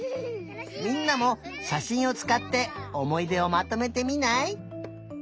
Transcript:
みんなもしゃしんをつかっておもいでをまとめてみない？